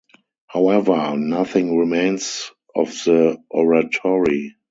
However, nothing remains of the Oratory.